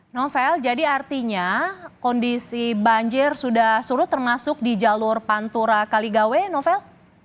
novel jadi artinya kondisi banjir sudah surut termasuk di jalur pantura kaligawe novel